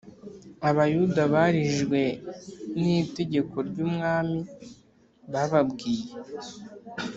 abayuda barijijwe n itegeko ry umwami bababwiye